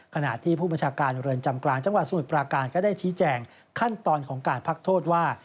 ขณะที่ผู้บัญชาการเรือนจำกลางจังหวัดสมุทรปราการก็ได้ชี้แจงขั้นตอนของการพักโทษว่า